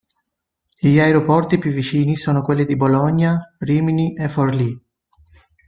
Gli aeroporti più vicini sono quelli di Bologna, Rimini e Forlì.